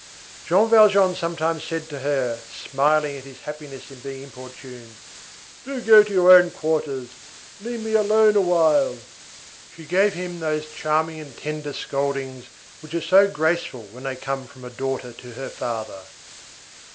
Jean Valjean sometimes said to her, smiling at his happiness in being importuned: "Do go to your own quarters! Leave me alone a little!" She gave him those charming and tender scoldings which are so graceful when they come from a daughter to her father.